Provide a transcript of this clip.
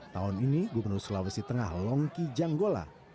tahun ini gubernur sulawesi tengah longki janggola